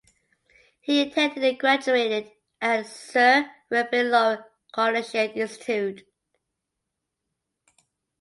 He attended and graduated at Sir Wilfrid Laurier Collegiate Institute.